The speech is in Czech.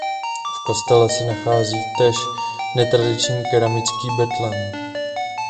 V kostele se nachází též netradiční keramický betlém.